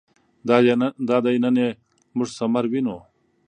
دادی نن یې موږ ثمر وینو.